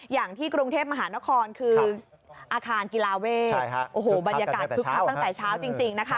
อย่างที่กรุงเทพมหานครคืออาคารกีฬาเวทโอ้โหบรรยากาศคึกคักตั้งแต่เช้าจริงนะคะ